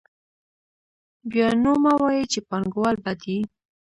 بیا نو مه وایئ چې پانګوال بد دي